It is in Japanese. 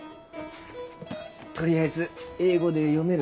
とりあえず英語で読める